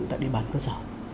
tại địa bàn cơ sở